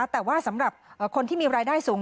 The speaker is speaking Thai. แต่ว่าสำหรับคนที่มีรายได้สูง